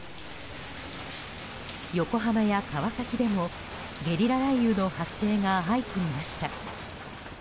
横浜や川崎でもゲリラ雷雨の発生が相次ぎました。